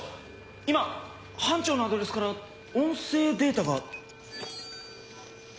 今班長のアドレスから音声データが。